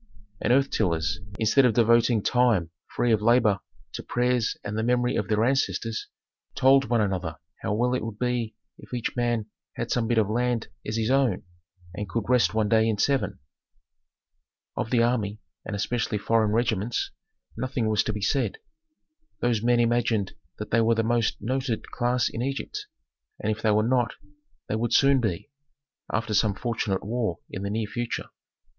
And earth tillers, instead of devoting time free of labor to prayers and the memory of their ancestors, told one another how well it would be if each man had some bit of land as his own, and could rest one day in seven. Of the army, and especially foreign regiments, nothing was to be said. Those men imagined that they were the most noted class in Egypt, and if they were not, they would soon be, after some fortunate war in the near future.